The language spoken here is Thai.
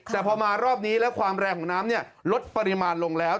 แต่พอมารอบนี้แล้วความแรงของน้ำลดปริมาณลงแล้ว